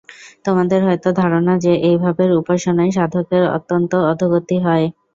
তোমাদের হয়তো ধারণা যে, এই ভাবের উপাসনায় সাধকের অত্যন্ত অধোগতি হয়।